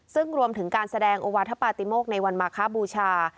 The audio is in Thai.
ซึ่งรวมถึงการแสดงโอวาธปาติโมกในวันมาคบูชา